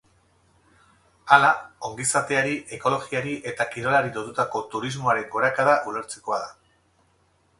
Hala, ongizateari, ekologiari eta kirolari lotutako turismoaren gorakada ulertzekoa da.